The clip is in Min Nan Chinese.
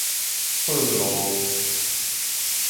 報路